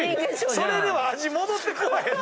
それでは味戻ってこおへんで！